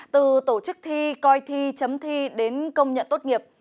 từ tổ chức thi coi thi chấm thi đến công nhận tốt nghiệp